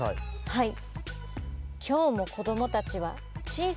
はい。